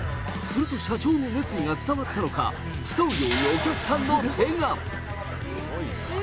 すると社長の熱意が伝わったのか、競うようにお客さんの手が。